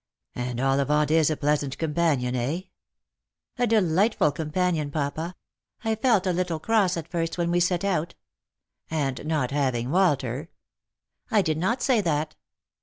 " And Ollivant is a pleasant companion, eh ?"" A delightful companion, papa. I felt a little cross at first when we set out "" At not having Walter ?"" I did not say that."